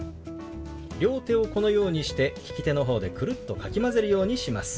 両手をこのようにして利き手の方でくるっとかき混ぜるようにします。